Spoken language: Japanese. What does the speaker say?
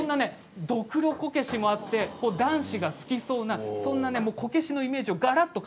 どくろこけしがあって男子が好きそうなこけしのイメージがあります。